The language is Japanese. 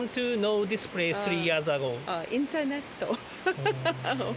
インターネット。